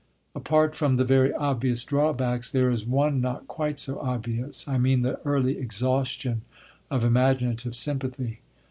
Apart from the very obvious drawbacks there is one not quite so obvious: I mean the early exhaustion of imaginative sympathy.